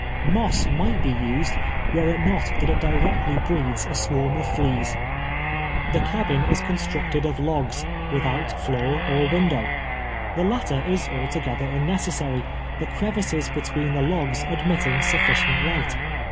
Moss might be used, were it not that it directly breeds a swarm of fleas. The cabin is constructed of logs, Avithout floor or M'indow. The latter is altogether unnecessary, the crevices between the logs admitting sufficient light.